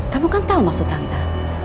kamu kan tau maksud tante